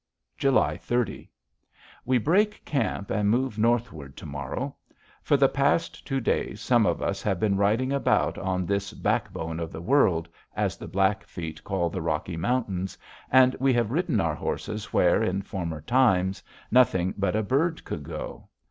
July 30. We break camp and move northward to morrow. For the past two days some of us have been riding about on this "Backbone of the World," as the Blackfeet call the Rocky Mountains, and we have ridden our horses where, in former times, nothing but a bird could go.